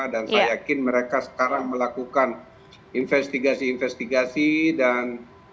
saya yakin mereka sekarang melakukan investigasi investigasi dan